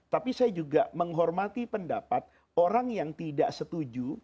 tapi saya juga menghormati pendapat orang yang tidak setuju